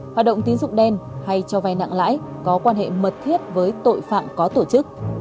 hoạt động tín dụng đen hay cho vay nặng lãi có quan hệ mật thiết với tội phạm có tổ chức